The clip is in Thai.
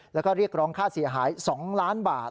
แล้วก็เรียกร้องค่าเสียหาย๒ล้านบาท